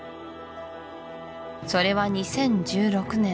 それは２０１６年